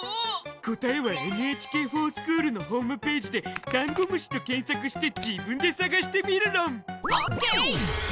答えは「ＮＨＫｆｏｒＳｃｈｏｏｌ」のホームぺージでダンゴムシと検索して自分で探してみるろん！ＯＫ！